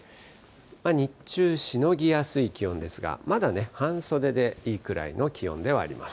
日中しのぎやすい気温ですが、まだ半袖でいいくらいの気温ではあります。